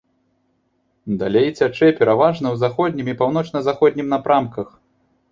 Далей цячэ пераважна ў заходнім і паўночна-заходнім напрамках.